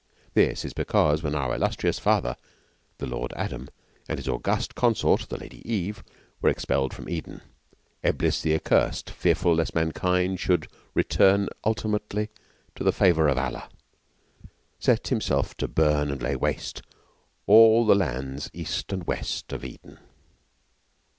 This is because when our illustrious father, the Lord Adam, and his august consort, the Lady Eve, were expelled from Eden, Eblis the Accursed, fearful lest mankind should return ultimately to the favour of Allah, set himself to burn and lay waste all the lands east and west of Eden.